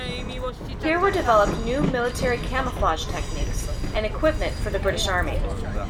Here were developed new military camouflage techniques and equipment for the British Army.